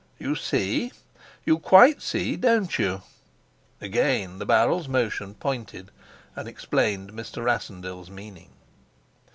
You see? You quite see, don't you?" Again the barrel's motion pointed and explained Mr. Rassendyll's meaning.